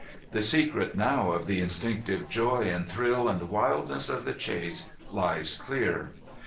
The secret now of the instinctive joy and thrill and wildness of the chase lies clear.